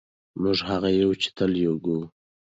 موږ هغه یو چې تل یې کوو.